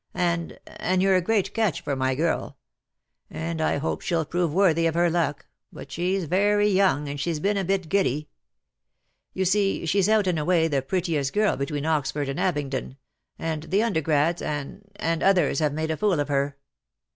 And — and you're a great catch for my girl; and I hope she'll prove worthy of her luck — but she's very young, and she's been a bit giddy. You see she's out and away the prettiest girl between Oxford and Abingdon, and the undergrads, and — and — others have made a fool of her.